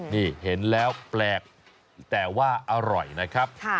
นี่เห็นแล้วแปลกแต่ว่าอร่อยนะครับ